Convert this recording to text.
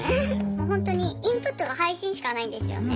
もうほんとにインプットが配信しかないんですよね。